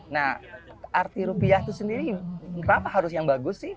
nah arti rupiah itu sendiri kenapa harus yang bagus sih